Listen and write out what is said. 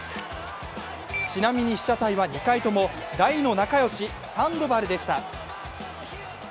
ちなみに被写体は２回とも大の仲良し、サンドバルでした。